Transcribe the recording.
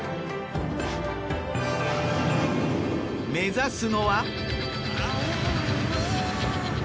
目指すのは。